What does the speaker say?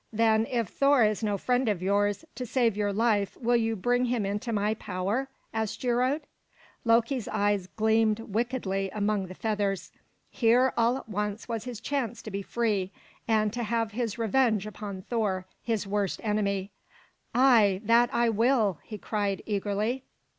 "Then if Thor is no friend of yours, to save your life will you bring him into my power?" asked Geirröd. Loki's eyes gleamed wickedly among the feathers. Here all at once was his chance to be free, and to have his revenge upon Thor, his worst enemy. "Ay, that I will!" he cried eagerly.